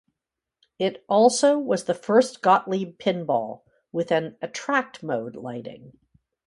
It also was the first Gottlieb pinball, with an "attract mode" lighting.